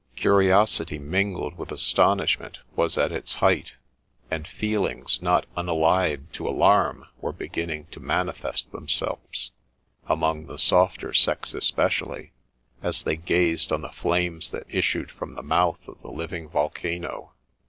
Curiosity mingled with astonishment was at its height ; and feelings not unallied to alarm were beginning to manifest themselves, among the softer sex especially, as they gazed on the flames that issued from the mouth of the living volcano.